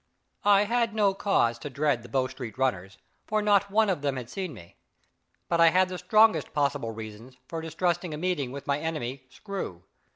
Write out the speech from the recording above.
I had no cause to dread the Bow Street runners, for not one of them had seen me; but I had the strongest possible reasons for distrusting a meeting with my enemy, Screw.